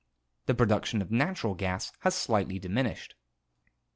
The production of natural gas has slightly diminished.